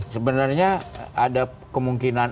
sebenarnya ada kemungkinan